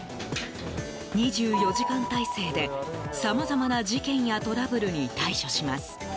２４時間態勢でさまざまな事件やトラブルに対処します。